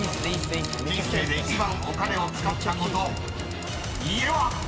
［人生で一番お金を使ったこと家は⁉］